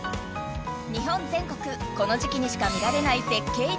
日本全国この時期にしか見られない絶景